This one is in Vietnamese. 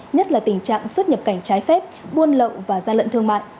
nhất là tình trạng xuất nhập cảnh trái phép buôn lậu và gian lận thương mại